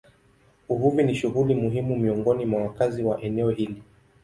Uvuvi ni shughuli muhimu miongoni mwa wakazi wa eneo hili.